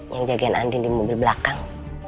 yang jagain andil di mobil belakang